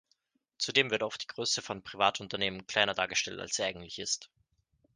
Zudem wird oft die Größe von Privatunternehmen kleiner dargestellt, als sie eigentlich ist.